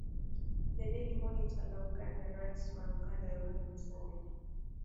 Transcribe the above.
the daily monitor la uganda rais wa uganda yoweri museveni